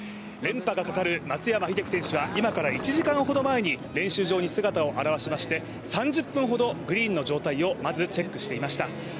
連覇がかかる松山英樹選手は今から１時間ほど前に練習場に姿を現しまして、３０分ほどグリーンの状態をまずチェックしていました。